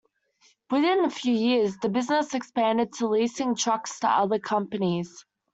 Within a few years, the business expanded to leasing trucks to other companies.